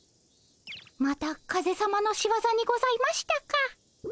また風さまのしわざにございましたか。